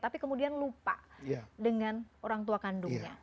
tapi kemudian lupa dengan orang tua kandungnya